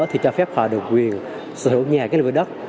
họ được quyền sở hữu đất